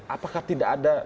apakah tidak ada